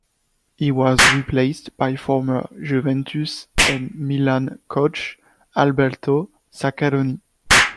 He was replaced by former Juventus and Milan coach Alberto Zaccheroni.